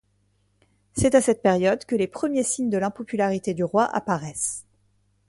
C'est à cette période que les premiers signes de l'impopularité du roi apparaissent.